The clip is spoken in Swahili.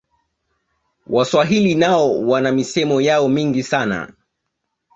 waswahili nao wana misemo yao mingi sana